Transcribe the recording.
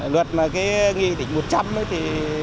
luật mà cái nghị tỉnh một trăm linh ấy thì